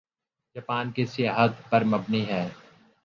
Japan کی سیاحت پر مبنی ہے